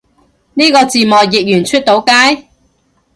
呢個字幕譯完出到街？